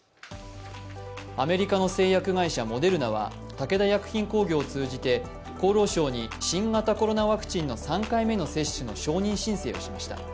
アメリカの製薬会社モデルナは武田薬品工業を通じて厚労省に新型コロナウイルスの３回目の接種の承認申請をしました。